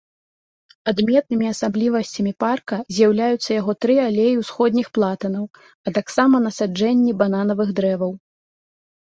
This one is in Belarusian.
Адметнымі асаблівасцямі парка з'яўляюцца яго тры алеі ўсходніх платанаў, а таксама насаджэнні бананавых дрэваў.